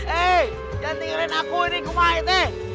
eh jangan tinggalin aku ini kumah ini